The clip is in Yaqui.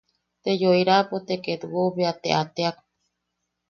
Te yokoriapo te ketwo bea te a teak.